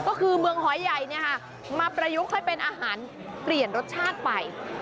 ก็คือเมืองหอยใหญ่มาประยุกต์ให้เป็นอาหารเปลี่ยนรสชาติไป